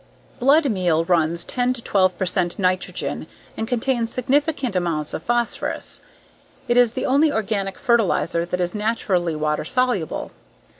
Blood meal runs 10 12 percent nitrogen and contains significant amounts of phosphorus. It is the only organic fertilizer that is naturally water soluble.